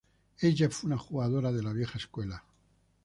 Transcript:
Ella fue una jugadora de la vieja escuela.